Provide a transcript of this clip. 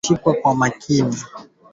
Mjumbe mpya wa Umoja wa mataifa alitoa wito